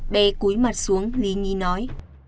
bé cúi mặt xuống lý nhi nói